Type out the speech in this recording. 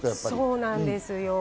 そうなんです。